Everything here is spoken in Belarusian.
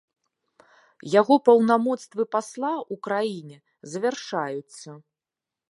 Яго паўнамоцтвы пасла ў краіне завяршаюцца.